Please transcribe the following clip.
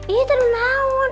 ini tadi nahun